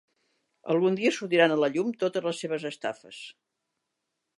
Algun dia sortiran a la llum totes les seves estafes.